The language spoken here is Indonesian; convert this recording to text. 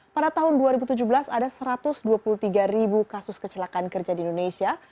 pada tahun dua ribu tujuh belas ada satu ratus dua puluh tiga ribu kasus kecelakaan kerja di indonesia